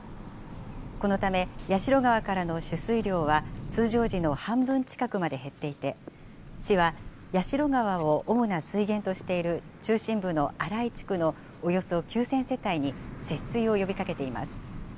このため、矢代川からの取水量は、通常時の半分近くまで減っていて、市は矢代川を主な水源としている中心部の新井地区のおよそ９０００世帯に節水を呼びかけています。